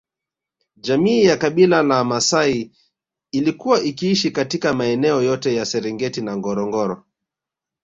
Jamii ya Kabila la Maasai ilikuwa ikiishi katika maeneo yote ya Serengeti na Ngorongoro